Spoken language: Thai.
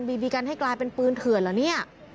บีบีกันให้กลายเป็นปืนเถื่อนเหรอเนี่ย